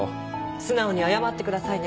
素直に謝ってくださいね。